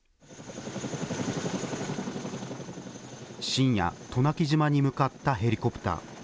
深夜、渡名喜島に向かったヘリコプター。